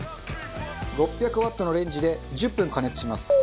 ６００ワットのレンジで１０分加熱します。